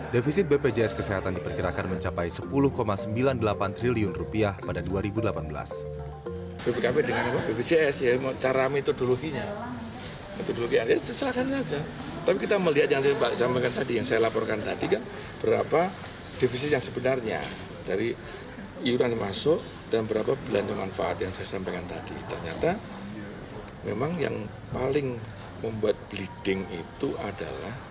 defisit bpjs kesehatan diperkirakan mencapai sepuluh sembilan puluh delapan triliun rupiah